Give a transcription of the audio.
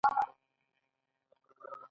سړکونه باید پاخه شي